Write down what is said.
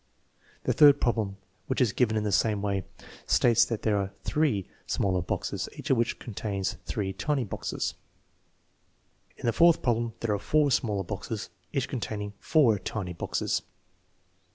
The third problem, which is given in the same way, 328 THE MEASUREMENT OF INTELLIGENCE states that there are three smaller boxes, each of which con tains three tiny boxes. In the fourth problem there are four smaller boxes, each containing four tiny boxes.